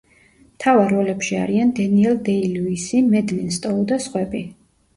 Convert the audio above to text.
მთავარ როლებში არიან დენიელ დეი-ლუისი, მედლინ სტოუ და სხვები.